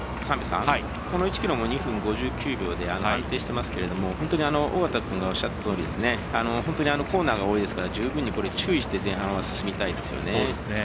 この１ｋｍも２分５９秒で安定していますけど尾方君がおっしゃったとおり本当にコーナーが多いですから前半注意して進みたいですね。